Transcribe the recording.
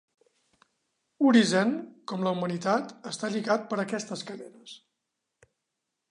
Urizen, com la humanitat, està lligat per aquestes cadenes.